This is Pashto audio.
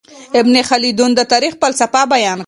ابن خلدون د تاريخ فلسفه بيان کړه.